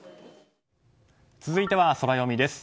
続いてはソラよみです。